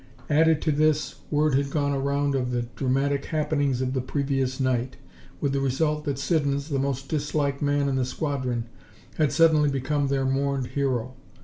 Added to this, word had gone around of the dramatic happenings of the previous night, with the result that Siddons, the most disliked man in the squadron, had suddenly become their mourned hero.